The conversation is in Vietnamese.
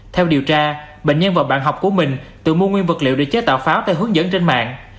theo điều tra bệnh nhân và bạn học của mình tự mua nguyên vật liệu để chế tạo pháo tại hướng dẫn trên mạng